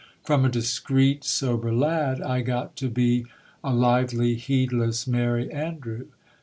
From a discreet, sober lad, I got to be a live ly, heedless merry andrew.